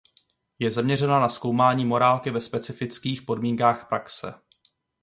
Je zaměřena na zkoumání morálky ve specifických podmínkách praxe.